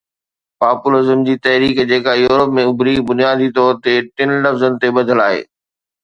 Populism جي تحريڪ جيڪا پورپ ۾ اڀري، بنيادي طور تي ٽن نقطن تي ٻڌل آهي.